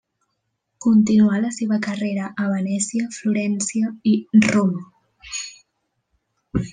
Continuà la seva carrera a Venècia, Florència i Roma.